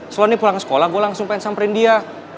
soalnya pulang sekolah gue langsung pengen samperin dia